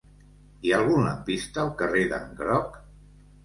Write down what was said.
Hi ha algun lampista al carrer d'en Groc?